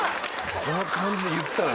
この感じで言ったのよ